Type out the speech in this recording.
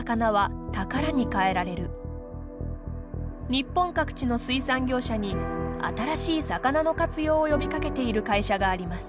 日本各地の水産業者に新しい魚の活用を呼びかけている会社があります。